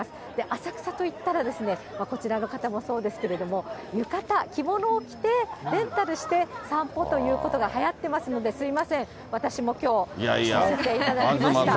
浅草といったら、こちらの方もそうですけれども、浴衣、着物を着て、レンタルして散歩ということがはやってますので、すみません、私もきょう、着させていただきました。